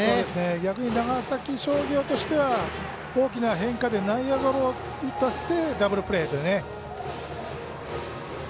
逆に長崎商業としては大きな変化で内野ゴロを打たせてダブルプレーというね。